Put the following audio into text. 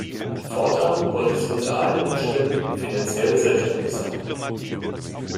Fortan wollte sie unter allen Umständen finanziell selbständig sein.